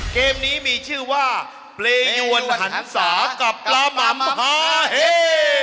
เกมนี้มีชื่อว่าเปรยวนหันศากับปลาหม่ำพาเฮ